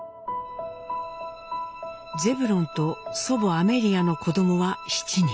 ゼブロンと祖母アメリアの子どもは７人。